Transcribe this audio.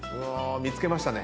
見つけましたね。